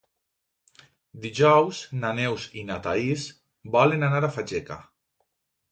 Dijous na Neus i na Thaís volen anar a Fageca.